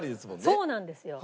そうなんですよ。